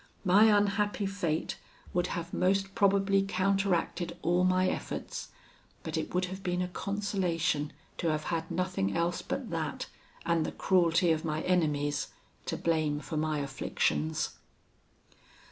My unhappy fate would have most probably counteracted all my efforts; but it would have been a consolation to have had nothing else but that, and the cruelty of my enemies, to blame for my afflictions.